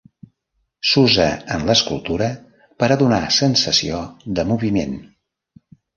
S'usa en l'escultura per a donar sensació de moviment.